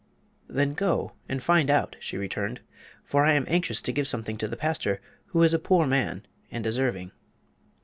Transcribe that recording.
"Then go and find out," she returned, "for I am anxious to give something to the pastor, who is a poor man and deserving."